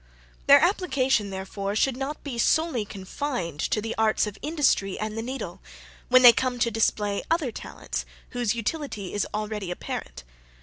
Their application, therefore, should not be solely confined to the arts of industry and the needle, when they come to display other talents, whose utility is already apparent."